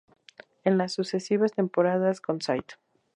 En las sucesivas temporadas con St.